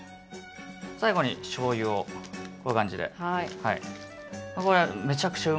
最後に醤油をこういう感じで。